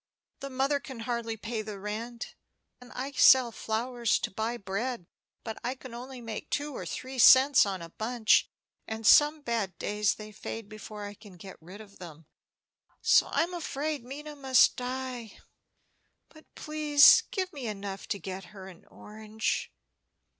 The mother can hardly pay the rent, and I sell flowers to buy bread; but I can only make two or three cents on a bunch, and some bad days they fade before I can get rid of them; so I'm afraid Minna must die. But please give me enough to get her an orange."